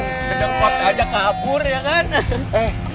gendeng pot aja kabur ya kan